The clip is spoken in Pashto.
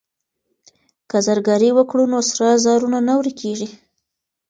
که زرګري وکړو نو سرو زرو نه ورکيږي.